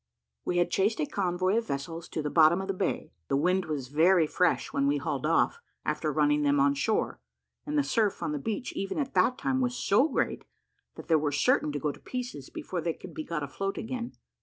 We had chased a convoy of vessels to the bottom of the bay: the wind was very fresh when we hauled off, after running them on shore; and the surf on the beach even at that time was so great, that they were certain to go to pieces before they could be got afloat again.